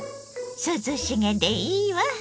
涼しげでいいわ。